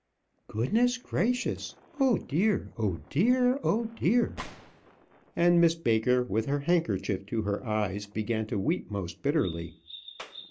"Goodness gracious! Oh, dear! oh, dear! oh, dear!" And Miss Baker, with her handkerchief to her eyes, began to weep most bitterly.